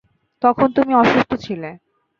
তখন তুমি অসুস্থ ছিলে।